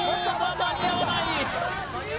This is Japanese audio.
間に合わない！